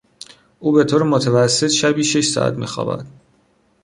او به طور متوسط شبی شش ساعت میخوابد.